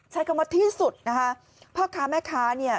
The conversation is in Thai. ใช้คำว่าที่สุดนะคะพ่อค้าแม่ค้าเนี่ย